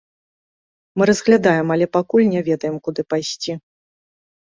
Мы разглядаем, але пакуль не ведаем, куды пайсці.